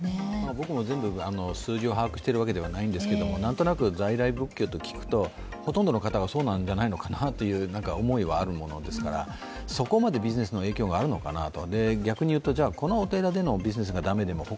僕も全部数字を把握しているわけではないんですけれども、なんとなく在来仏教と聞くとほとんどの方がそうなんじゃないかなという思いはあるものですから、そこまでビジネスの影響があるのかなと。